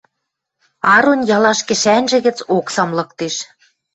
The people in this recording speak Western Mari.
Арон ялаш кӹшӓнжӹ гӹц оксам лыктеш.